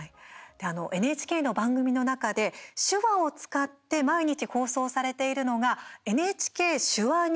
ＮＨＫの番組の中で手話を使って毎日、放送されているのが「ＮＨＫ手話ニュース」です。